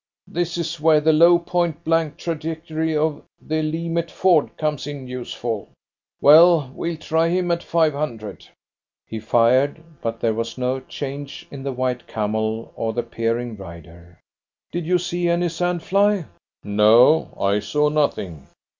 "This is where the low point blank trajectory of the Lee Metford comes in useful. Well, we'll try him at five hundred." He fired, but there was no change in the white camel or the peering rider. "Did you see any sand fly?" "No, I saw nothing."